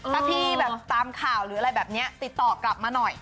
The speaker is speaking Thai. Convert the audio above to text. ถ้าพี่แบบตามข่าวหรืออะไรแบบนี้ติดต่อกลับมาหน่อย